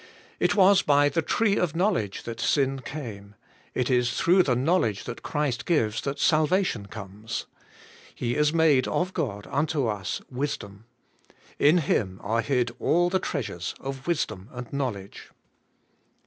It was by the tree of knowledge that sin came; it is through the knowledge that Christ gives that salvation comes. He is made of God unto us wisdom. In Him ar« hid all the treasures of wisdom and knowledge.